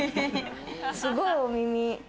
すごいお耳。